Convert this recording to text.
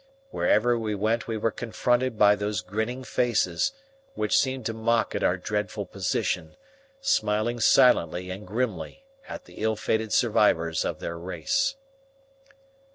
Wherever we went we were confronted by those grinning faces, which seemed to mock at our dreadful position, smiling silently and grimly at the ill fated survivors of their race.